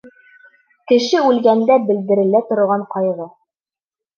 Кеше үлгәндә белдерелә торған ҡайғы.